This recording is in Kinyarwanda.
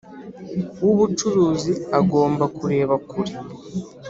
w’ubucuruzi agomba kureba kure